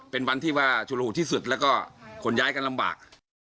เป็นวันที่ว่าชุดละหูที่สุดแล้วก็ขนย้ายกันลำบาก